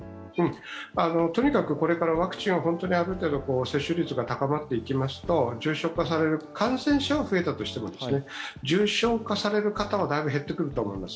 とにかくこれからワクチンを本当にある程度接種率が高まっていきますと、感染症は増えたとしても、重症化される方はだいぶ減ってくると思います。